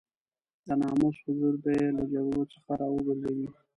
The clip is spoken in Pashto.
د ناموس حضور به يې له جګړو څخه را وګرځوي.